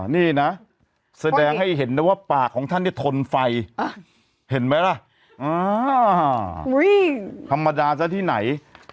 นี่นะแสดงให้เห็นนะว่าปากของท่านเนี่ยทนไฟเห็นไหมล่ะธรรมดาซะที่ไหน